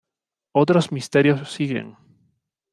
Otros misterios siguen.